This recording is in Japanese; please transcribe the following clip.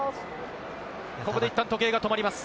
ここでいったん時計が止まります。